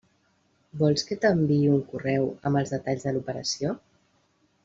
Vols que t'enviï un correu amb els detalls de l'operació?